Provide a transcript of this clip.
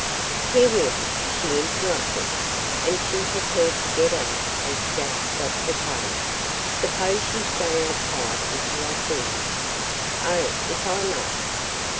"Here we are," she interrupted; and she prepared to get out as Jack stopped the car. "Suppose you stay outside until I call you?" "Oh, if I must.